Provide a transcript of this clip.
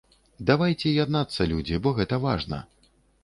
Давайце яднацца, людзі, бо гэта важна.